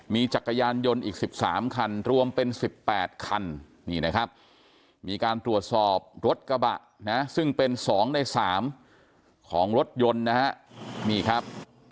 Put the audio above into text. มีจักรยานยนต์อีก๑๓คันรวมเป็น๑๘คันนี่นะครับมีการตรวจสอบรถกระบะนะซึ่งเป็น๒ใน๓ของรถยนต์นะฮะนี่ครับ